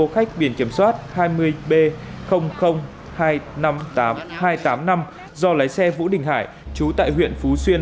khách biển kiểm soát hai mươi b hai trăm năm mươi tám hai trăm tám mươi năm do lái xe vũ đình hải chú tại huyện phú xuyên